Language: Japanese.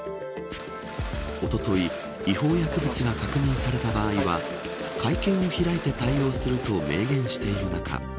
おととい、違法薬物が確認された場合は会見を開いて対応すると明言している中